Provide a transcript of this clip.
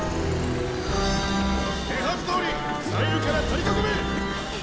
手はずどおり左右から取り囲め！